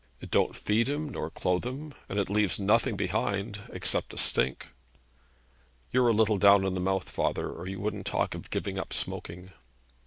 It don't feed him, nor clothe him, and it leaves nothing behind, except a stink.' 'You're a little down in the mouth, father, or you wouldn't talk of giving up smoking.'